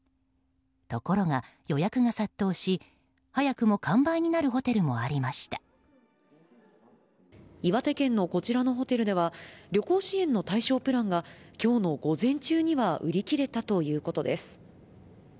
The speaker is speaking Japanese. ところが、予約が殺到し早くも完売になるホテルも岩手県のこちらのホテルでは旅行支援の対象プランが今日の午前中には売り切れたということです。